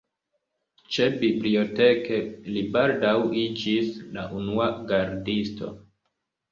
Ĉebiblioteke li baldaŭ iĝis la unua gardisto.